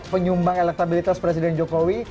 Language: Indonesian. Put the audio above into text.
penyumbang elektabilitas presiden jokowi